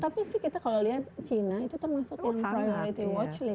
tapi sih kita kalau lihat china itu termasuk yang primunity watch list